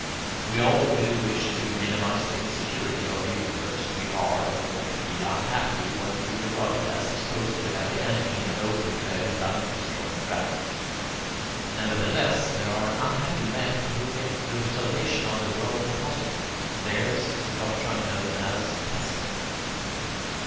We all do wish to minimize the insecurity of the universe; we are and ought to be unhappy when we regard it as exposed to every enemy and open to every life destroying draft. Nevertheless there are unhappy men who think the salvation of the world impossible. Theirs is the doctrine known as pessimism.